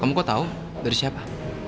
kamu kok tau dari siapa